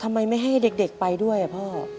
ทำไมไม่ให้เด็กไปด้วยอ่ะพ่อ